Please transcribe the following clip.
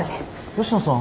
吉野さん